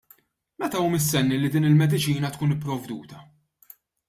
Meta hu mistenni li din il-mediċina tkun ipprovduta?